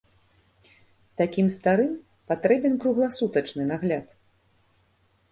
Такім старым патрэбен кругласутачны нагляд.